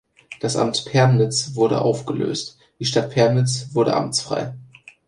Das Amt Premnitz wurde aufgelöst, die Stadt Premnitz wurde amtsfrei.